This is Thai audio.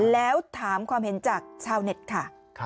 แล้วถามความเห็นจากชาวเน็ตค่ะ